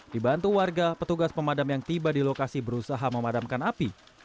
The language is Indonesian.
dibantu warga petugas pemadam yang tiba di lokasi berusaha memadamkan api